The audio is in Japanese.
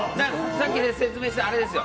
さっき説明したあれです